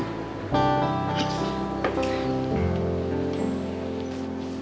tapi kau beda sendiri